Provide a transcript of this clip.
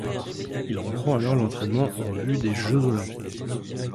Il reprend alors l'entrainement en vue des Jeux olympiques.